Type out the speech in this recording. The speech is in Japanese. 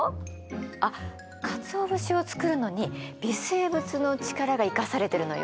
あっかつお節を作るのに微生物の力が生かされてるのよ。